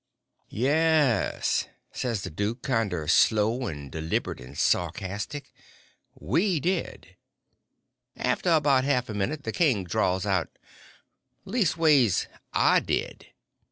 "Yes," says the duke, kinder slow and deliberate and sarcastic, "We did." After about a half a minute the king drawls out: "Leastways, I did."